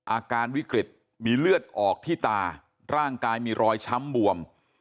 อาการวิกฤตมีเลือดออกที่ตาร่างกายมีรอยช้ำบวม